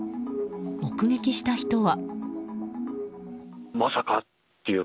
目撃した人は。